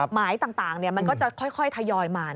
หมายต่างมันก็จะค่อยทยอยมา